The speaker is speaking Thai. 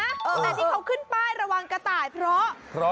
แต่ที่เขาขึ้นป้ายระวังกระต่ายเพราะ